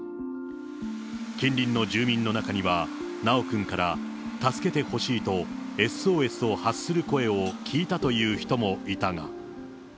近隣の住民の中には、修くんから助けてほしいとＳＯＳを発する声を聞いたという人もいたが。